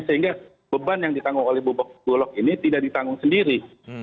sehingga beban yang ditanggung oleh bulog ini tidak ditanggung sendiri